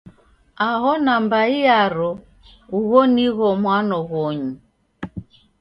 Aho nambai yaro, ugho nigho mwano ghonyu.